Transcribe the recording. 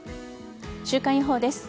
週間予報です。